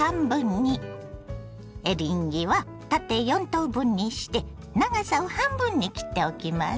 エリンギは縦４等分にして長さを半分に切っておきます。